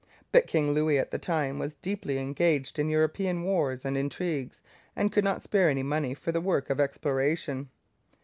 But King Louis at this time was deeply engaged in European wars and intrigues and could not spare any money for the work of exploration.